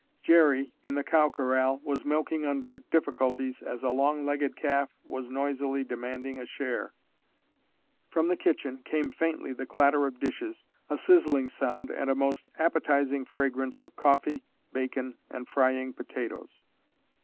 Jerry—in the cow corral—was milking under difficulties as a long legged calf was noisily demanding a share. From the kitchen came faintly the clatter of dishes, a sizzling sound and a most appetizing fragrance of coffee, bacon and frying potatoes.